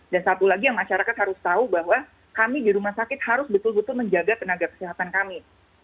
dan satu lagi yang masyarakat harus tahu bahwa kami di rumah sakit harus betul betul menjaga tenaga kesehatan kami